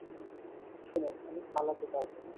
শুনেন, আমি পালাতে পারব না!